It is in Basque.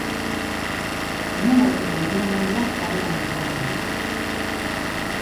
Nola bete konfinamendua kalean bizi bazara?